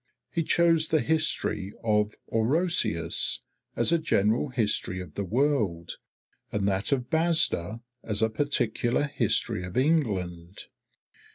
He chose the History of Orosius, as a general history of the world, and that of Basda, as a particular history of England.